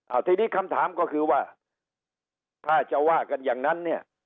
เอาทีนี้คำถามก็คือว่าถ้าจะว่ากันอย่างนั้นเนี่ย